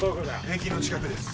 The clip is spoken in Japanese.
駅の近くです。